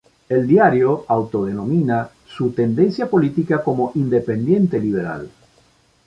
El diario autodenomina su tendencia política como "independiente liberal".